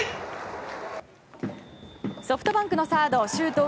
ソフトバンクのサード周東佑